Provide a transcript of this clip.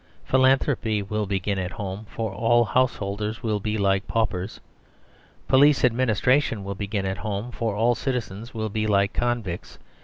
Philanthropy will begin at home, for all householders will be like paupers. Police administration will begin at home, for all citizens will be like convicts.